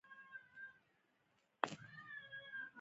خو هغوی هېڅکله هم دې ځای ته نه دي راغلي.